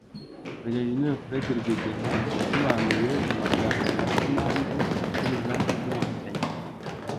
Maj. Gen. Fred Rwigema, yasobanuye mu magambo make impamvu y'urugamba rw'Inkotanyi